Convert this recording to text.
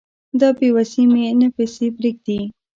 دا بې وسي مي نه پسې پرېږدي